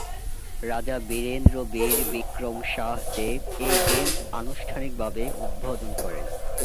রাজা বীরেন্দ্র বীর বিক্রম শাহ দেব এই গেমস আনুষ্ঠানিকভাবে উদ্বোধন করেন।